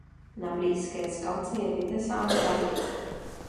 Na blízké skalce je vytesán kalich.